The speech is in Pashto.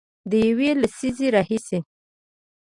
د یوې لسیزې راهیسې